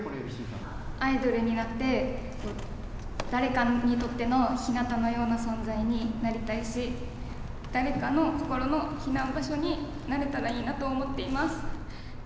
アイドルになって誰かにとってのひなたのような存在になりたいし誰かの心の避難場所になれたらいいなと思っています。